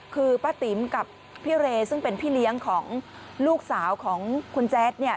คือป้าติ๋มกับพี่เรซึ่งเป็นพี่เลี้ยงของลูกสาวของคุณแจ๊ดเนี่ย